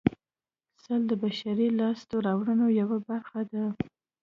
سل د بشري لاسته راوړنو یوه برخه ده